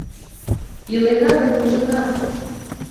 Илена гын, ужына.